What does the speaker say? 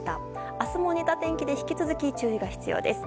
明日も似た天気で引き続き注意が必要です。